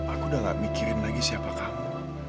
aku udah gak mikirin lagi siapa kamu